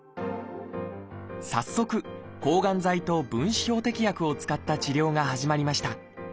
早速抗がん剤と分子標的薬を使った治療が始まりました。